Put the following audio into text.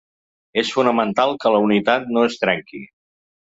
És fonamental que la unitat no es trenqui.